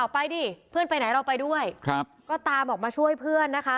ไปดิเพื่อนไปไหนเราไปด้วยครับก็ตามออกมาช่วยเพื่อนนะคะ